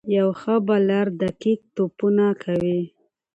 یو ښه بالر دقیق توپونه کوي.